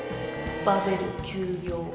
バベル休業。